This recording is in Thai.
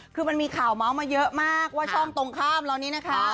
คือมันมีข่าวเมาส์มาเยอะมากว่าช่องตรงข้ามเรานี้นะคะ